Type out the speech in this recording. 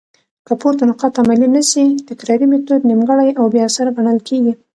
که پورته نقاط عملي نه سي؛ تکراري ميتود نيمګړي او بي اثره ګڼل کيږي.